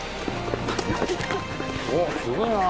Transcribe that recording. おっすごいな。